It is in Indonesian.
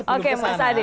oke mas adi